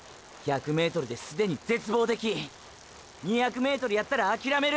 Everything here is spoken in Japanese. １００ｍですでに絶望的２００ｍやったらあきらめる。